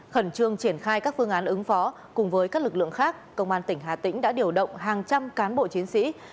khẩn trương triển khai các phương án ứng phó cùng với các lực lượng khác công an tỉnh hà tĩnh đã điều động hàng trăm cán bộ chiến sĩ